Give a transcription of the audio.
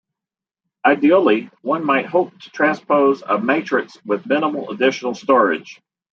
Ideally, one might hope to transpose a matrix with minimal additional storage.